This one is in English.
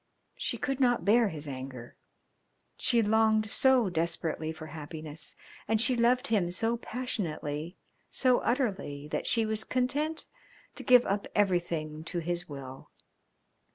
She could not bear his anger. She longed so desperately for happiness, and she loved him so passionately, so utterly, that she was content to give up everything to his will.